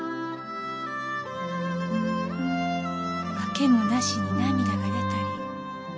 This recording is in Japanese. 訳もなしに涙が出たり。